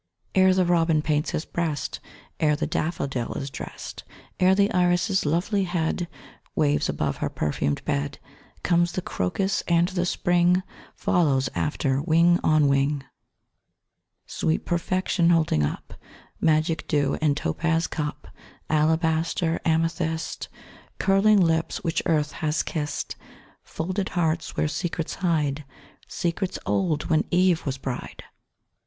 Ere the robin paints his breast, Ere the daffodil is drest, Ere the iris' lovely head Waves above her perfumed bed Comes the crocus and the Spring Follows after, wing on wing! Sweet perfection, holding up Magic dew in topaz cup, Alabaster, amethyst Curling lips which Earth has kissed, Folded hearts where secrets hide, Secrets old when Eve was bride!